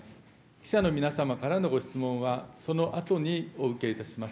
記者の皆様からのご質問は、そのあとにお受けいたします。